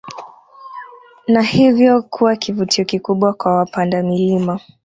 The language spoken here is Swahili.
Na hivyo kuwa kivutio kikubwa kwa wapanda milima